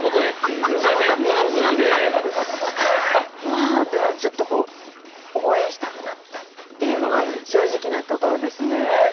まあでもちょっとこう応援したくなったっていうのが正直なところですね。